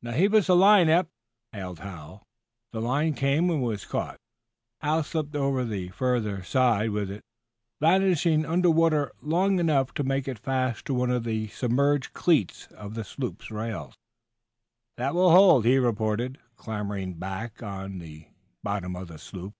"Now, heave us a line, Eph!" hailed Hal. The line came, and was caught. Hal slipped over the further side with it, vanishing under water long enough to make it fast to one of the submerged cleats of the sloop's rail. "That will hold," he reported, clambering back on to the bottom of the sloop.